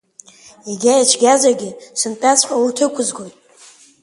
Егьа ицәгьазаргьы сынтәаҵәҟьа урҭ ықәызгоит.